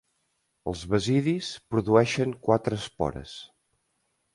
Els basidis produeixen quatre espores.